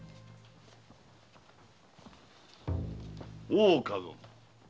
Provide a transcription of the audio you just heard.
大岡殿。